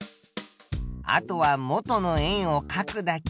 あとは元の円をかくだけ。